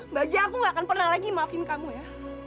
baja aku gak akan pernah lagi maafin kamu ya